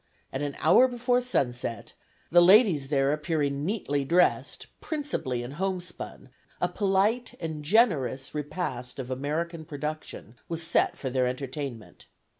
At an hour before sunset, the ladies there appearing neatly dressed, principally in homespun, a polite and generous repast of American production was set for their entertainment.